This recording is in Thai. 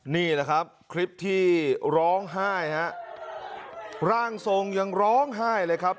นี่แหละครับคลิปที่ร้องไห้ฮะร่างทรงยังร้องไห้เลยครับ